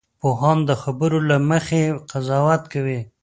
پوهان د خبرو له مخې قضاوت کوي